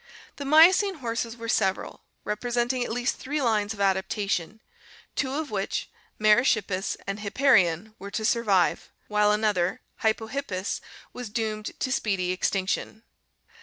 The Miocene horses were several, representing at least three lines of adaptation, two of which, Merychip pus and Hipparion, were to survive, while another, Bypohippus, was doomed to speedy extinction.